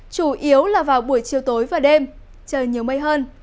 chủ yếu là vào buổi chiều tối và đêm trời nhiều mây hơn